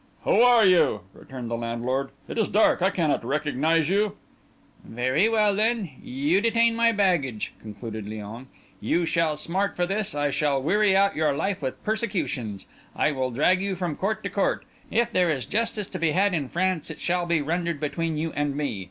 "Who are you?" returned the landlord. "It is dark—I cannot recognise you." "Very well, then—you detain my baggage," concluded Léon. "You shall smart for this. I will weary out your life with persecutions; I will drag you from court to court; if there is justice to be had in France, it shall be rendered between you and me.